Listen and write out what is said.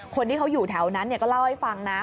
คนที่เขาอยู่แถวนั้นก็เล่าให้ฟังนะ